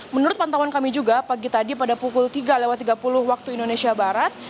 menurut pantauan kami juga pagi tadi pada pukul tiga tiga puluh waktu indonesia barat